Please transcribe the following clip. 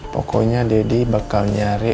pokoknya dedy bakal nyari